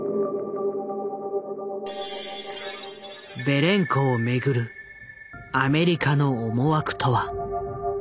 ベレンコを巡るアメリカの思惑とは。